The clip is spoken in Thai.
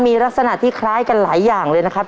มีลักษณะที่คล้ายกันหลายอย่างเลยนะครับ